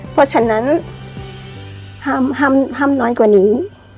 เพราะฉะนั้นห้ามน้อยกว่านี้